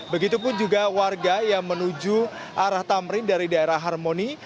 begitupun juga warga yang menuju arah tamrin dari daerah harmoni